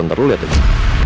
ntar lo lihat aja